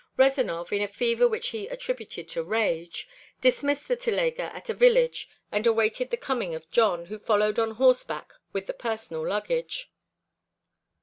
Rezanov, in a fever which he attributed to rage, dismissed the telega at a village and awaited the coming of Jon, who followed on horseback with the personal luggage.